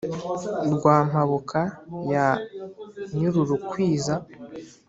rwa mpabuka ya nyir urukwiza